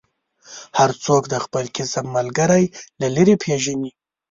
هر څوک د خپل کسب ملګری له لرې پېژني.